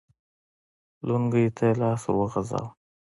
لونګۍ ته يې لاس ور وغځاوه.